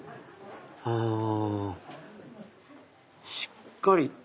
あしっかり。